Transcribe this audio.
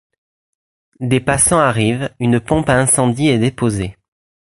Des passants arrivent, une pompe à incendie est déposée.